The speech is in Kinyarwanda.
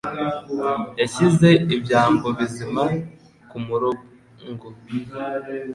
Yashyize ibyambo bizima kumurongo.